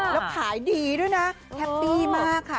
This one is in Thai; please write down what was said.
แล้วขายดีด้วยนะแฮปปี้มากค่ะ